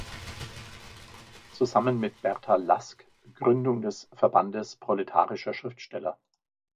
Zusammen mit Berta Lask Gründung des „Verbandes Proletarischer Schriftsteller“.